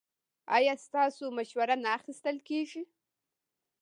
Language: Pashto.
ایا ستاسو مشوره نه اخیستل کیږي؟